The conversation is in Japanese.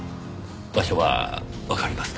場所はわかりますか？